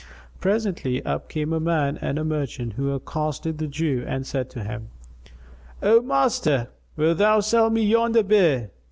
Presently up came a man and a merchant, who accosted the Jew and said to him, "O Master, wilt thou sell me yonder bear?